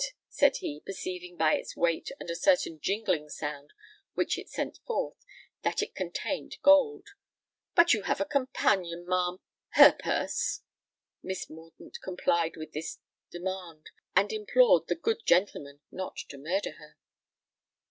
said he, perceiving by its weight and a certain jingling sound which it sent forth, that it contained gold. "But you have a companion, ma'am—her purse!" Miss Mordaunt complied with this demand, and implored the "good gentleman" not to murder her.